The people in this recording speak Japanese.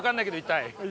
痛い。